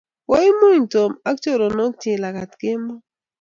koimuny Tom ak choronoikchich lagat kemoi